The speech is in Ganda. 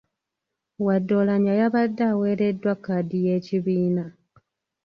Wadde Oulanyah yabadde aweereddwa kkaadi y’ekibiina.